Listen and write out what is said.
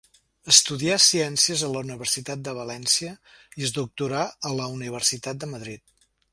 Estudià ciències a la Universitat de València i es doctorà a la Universitat de Madrid.